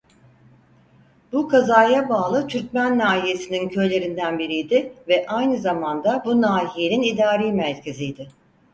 Bu kazaya bağlı Türkmen nahiyesinin köylerinden biriydi ve aynı zamanda bu nahiyenin idari merkeziydi.